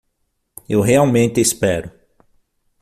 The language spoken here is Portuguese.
Eu realmente espero